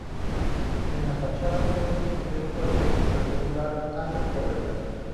En la fachada sur del cuerpo rectangular hay un corredor.